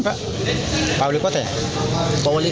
pak woli kota ada pak